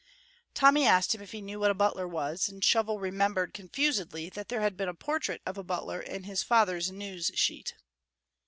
Tommy asked him if he knew what a butler was, and Shovel remembered, confusedly, that there had been a portrait of a butler in his father's news sheet.